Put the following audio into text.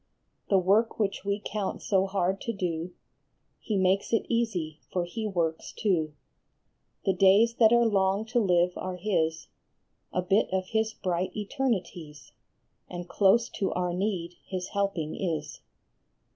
/2 CLOSE AT HAND. The work which we count so hard to do, He makes it easy, for he works too ; The days that are long to live are his, A bit of his bright eternities, And close to our need his helping is.